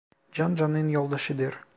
Can canın yoldaşıdır.